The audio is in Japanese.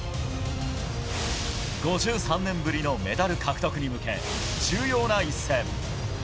５３年ぶりのメダル獲得に向け重要な一戦。